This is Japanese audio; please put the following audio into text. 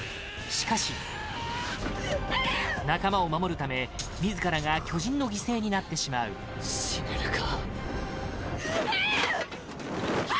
しかし仲間を守るため、自らが巨人の犠牲になってしまうエレン：死ねるか。